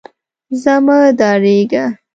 ځه مه ډارېږه.